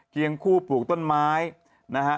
เคียงคู่ปลูกต้นไม้นะฮะ